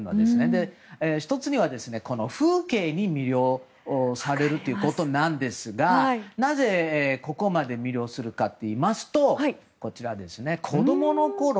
１つには、風景に魅了されるということですがなぜ、ここまで魅了するかといいますと子供のころ